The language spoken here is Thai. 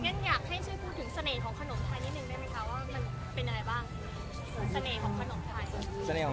อยากให้ช่วยพูดถึงเสน่ห์ของขนมไทยนิดหนึ่งได้ไหมคะว่ามันเป็นอะไรบ้าง